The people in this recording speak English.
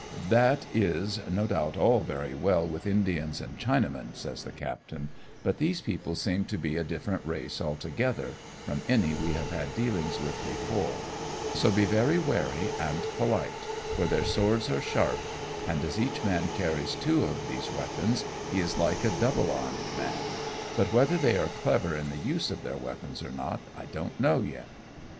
" That is no doubt all very well with Indians and Chinamen," says the captain, " but these people seem to be a different race altogether from any we have had deaKngs with before ; so be very wary and polite, for their swords are sharp, and as each man carries two of these weapons he is like a double armed man, but whether they are clever in the use of their weapons or not I don't know yet."